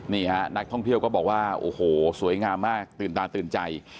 นี่ฮะนักท่องเที่ยวก็บอกว่าโอ้โหสวยงามมากตื่นตาตื่นใจ